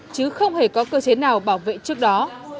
chứ không hề có cơ chế nào bảo vệ trước đó